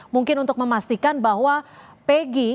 mungkin untuk memastikan bahwa peggy